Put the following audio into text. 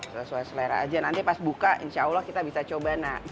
sesuai selera aja nanti pas buka insya allah kita bisa coba nak